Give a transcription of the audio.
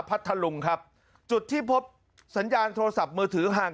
พัทธลุงครับจุดที่พบสัญญาณโทรศัพท์มือถือห่าง